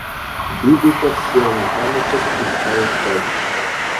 Бибиков сел на камушек и стал ждать.